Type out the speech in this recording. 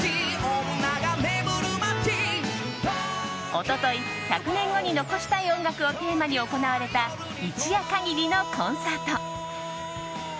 一昨日「１００年後に残したい音楽」をテーマに行われた一夜限りのコンサート。